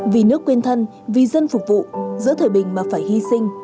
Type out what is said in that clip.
vì nước quên thân vì dân phục vụ giữa thời bình mà phải hy sinh